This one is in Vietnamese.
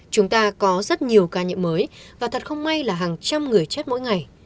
chúng ta có rất nhiều ca nhiễm mới và thật không may là hàng trăm người chết mỗi ngày